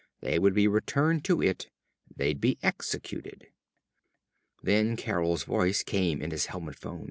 They would be returned to it. They'd be executed. Then Carol's voice came in his helmet phone.